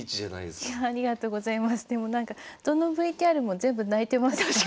でもなんかどのＶＴＲも全部泣いてますね。